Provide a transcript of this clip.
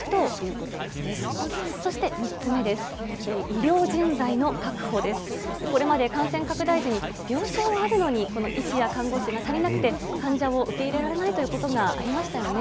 これまで感染拡大時に病床はあるのに、医師や看護師が足りなくて、患者を受け入れられないということがありましたよね。